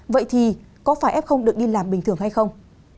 vậy thì có phải f được đi làm bình thường hay không